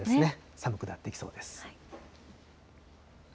寒くなっていきそうです。